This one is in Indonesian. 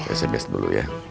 saya sedes dulu ya